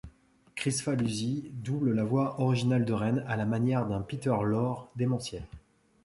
Kricfalusi double la voix originale de Ren, à la manière d'un Peter Lorre démentiel.